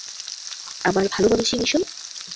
আমার ভালোমানুষি মিশন?